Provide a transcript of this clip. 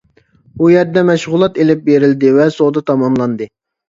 ئۇ يەردە مەشغۇلات ئېلىپ بېرىلدى ۋە سودا تاماملاندى.